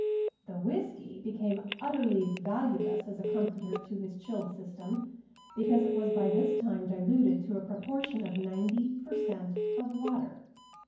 The whiskey became utterly valueless as a comforter to his chilled system, because it was by this time diluted to a proportion of ninety per cent of water.